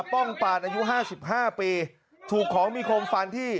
ป้องปาดอายุ๕๕ปีถูกของมีโครงฟันที่